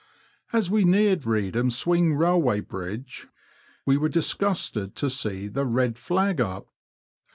As we neared Reedham swing railway bridge, we were disgusted to see the red flag up.